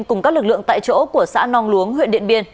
cùng các lực lượng tại chỗ của xã nong luống huyện điện biên